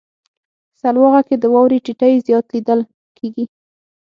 سلواغه کې د واورې ټيټی زیات لیدل کیږي.